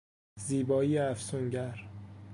زیبایی افسونگر